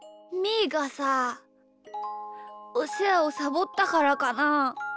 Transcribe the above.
ーがさおせわをサボったからかな？